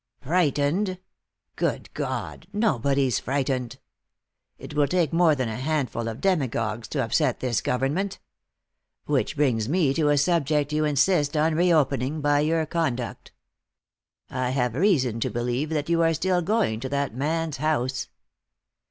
"Frightened! Good God, nobody's frightened. It will take more than a handful of demagogues to upset this government. Which brings me to a subject you insist on reopening, by your conduct. I have reason to believe that you are still going to that man's house."